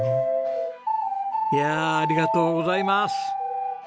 いやあありがとうございます！